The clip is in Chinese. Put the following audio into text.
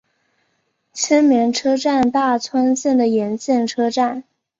千绵车站大村线的沿线车站。